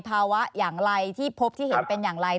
ภาวะอย่างไรที่พบที่เห็นเป็นอย่างไร